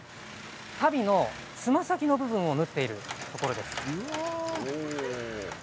足袋のつま先の部分を縫っているところです。